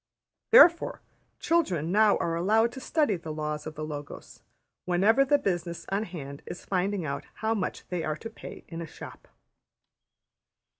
Therefore children now are allowed to study the laws of the Logos, whenever the business on hand is finding out how much they are to pay in a shop.